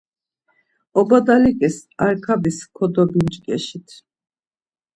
Obadaliǩis Arkabis kodobimç̌ǩeşit.